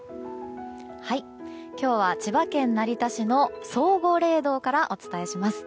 今日は千葉県成田市の宗吾霊堂からお伝えします。